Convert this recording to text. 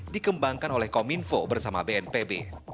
dikembangkan oleh kominfo bersama bnpb